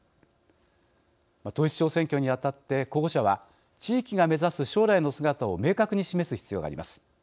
統一地方選挙にあたって候補者は、地域が目指す将来の姿を明確に示す必要があります。